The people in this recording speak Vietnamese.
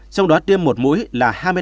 trong đó tiêm một mũi là hai mươi mẫu